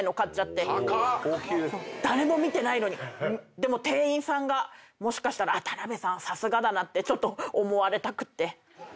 でも店員さんがもしかしたら「田辺さんさすがだな」ってちょっと思われたくて。